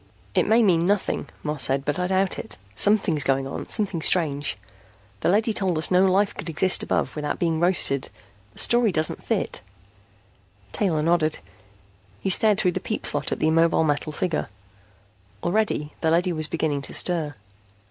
"It may mean nothing," Moss said, "but I doubt it. Something's going on, something strange. The leady told us no life could exist above without being roasted. The story doesn't fit." Taylor nodded. He stared through the peep slot at the immobile metal figure. Already the leady was beginning to stir.